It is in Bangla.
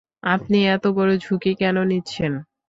আপনি এত বড় ঝুঁকি কেন নিচ্ছেন?